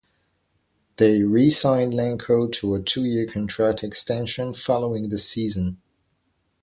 They re-signed Langkow to a two-year contract extension following the season.